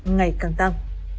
ngày càng tăng